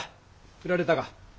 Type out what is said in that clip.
ふられたか？